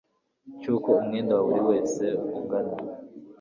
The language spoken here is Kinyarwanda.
cy uko umwenda wa buri wese ungana